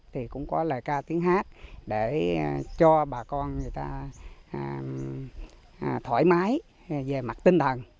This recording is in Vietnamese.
thì cũng có lời ca tiếng hát để cho bà con người ta thoải mái về mặt tinh thần